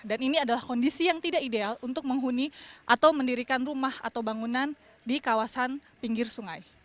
dan ini adalah kondisi yang tidak ideal untuk menghuni atau mendirikan rumah atau bangunan di kawasan pinggir sungai